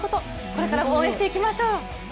これからも応援していきましょう。